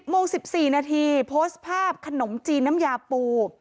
โมง๑๔นาทีโพสต์ภาพขนมจีนน้ำยาปู